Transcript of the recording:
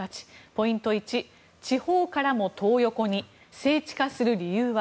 ポイント１、地方からもトー横に聖地化する理由は？